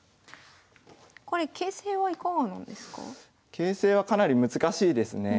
形勢はかなり難しいですね。